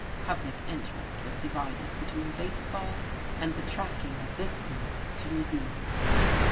Public interest was divided between baseball and the tracking of this criminal to New Zealand.